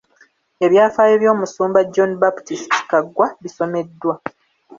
Ebyafaayo by'omusumba John Baptist Kaggwa bisomeddwa.